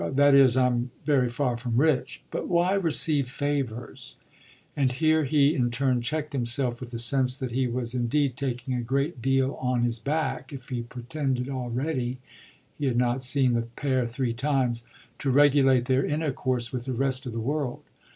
That is, I'm very far from rich. But why receive favours ?" And here he in turn checked himself with the sense that he was indeed taking a great deal on his back if he pretended already he had not seen the pair three times to regulate their intercourse with the rest of the world.